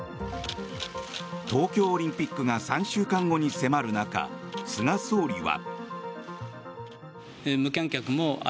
東京オリンピックが３週間後に迫る中菅総理は。